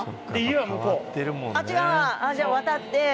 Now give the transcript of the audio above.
あっち側じゃあ渡って。